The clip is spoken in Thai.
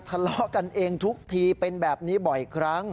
ทะเลาะกันเองทุกทีเป็นแบบนี้บ่อยครั้ง